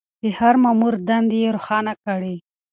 د هر مامور دندې يې روښانه کړې.